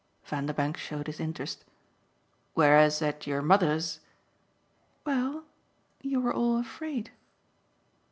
Vanderbank showed his interest. "Whereas at your mother's ?" "Well, you were all afraid."